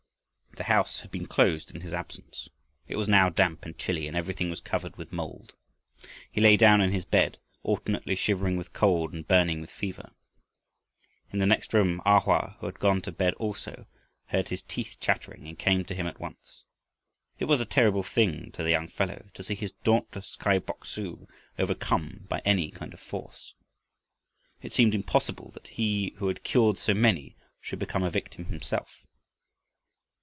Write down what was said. The house had been closed in his absence. It was now damp and chilly and everything was covered with mold. He lay down in his bed, alternately shivering with cold and burning with fever. In the next room A Hoa, who had gone to bed also, heard his teeth chattering and came to him at once. It was a terrible thing to the young fellow to see his dauntless Kai Bok su overcome by any kind of force. It seemed impossible that he who had cured so many should become a victim himself.